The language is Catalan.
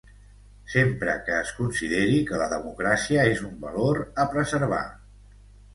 Sempre que es consideri que la democràcia és un valor a preservar.